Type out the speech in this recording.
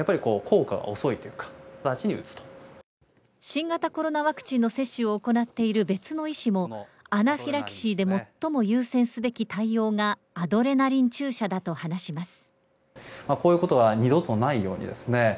新型コロナワクチンの接種を行っている別の医師も、アナフィラキシーで最も優先すべき対応がアドレナリン注射だと話します。